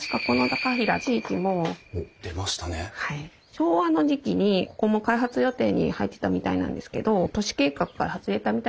昭和の時期にここも開発予定に入ってたみたいなんですけど都市計画から外れたみたいなんですよ。